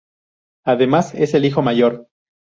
Además es el hijo mayor.